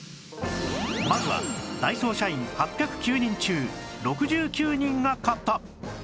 まずはダイソー社員８０９人中６９人が買った